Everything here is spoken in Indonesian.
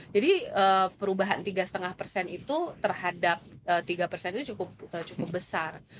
jadi perubahan tiga lima itu terhadap tiga itu cukup besar